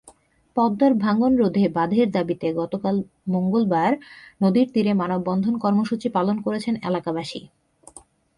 পদ্মার ভাঙনরোধে বাঁধের দাবিতে গতকাল মঙ্গলবার নদীর তীরে মানববন্ধন কর্মসূচি পালন করেছেন এলাকাবাসী।